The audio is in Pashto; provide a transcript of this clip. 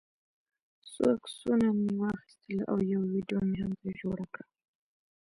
څو عکسونه مې واخیستل او یوه ویډیو مې هم ترې جوړه کړه.